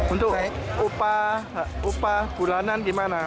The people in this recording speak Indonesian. untuk upah bulanan gimana